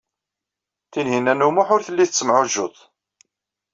Tinhinan u Muḥ ur telli tettemɛujjut.